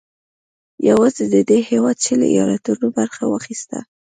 یوازې د دې هېواد شلي ایالتونو برخه واخیسته.